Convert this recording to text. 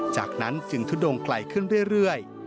จากนั้นจึงทุดงไกลขึ้นเรื่อย